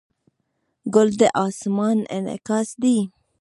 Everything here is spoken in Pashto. ګل د اسمان انعکاس دی.